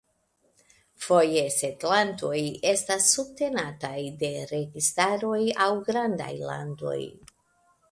Foje setlantoj estas subtenataj de registaroj aŭ grandaj landoj.